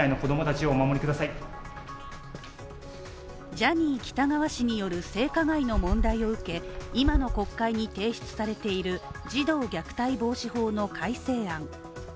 ジャニー喜多川氏による性加害の問題を受け、今の国会に提出されている児童虐待防止法の改正案。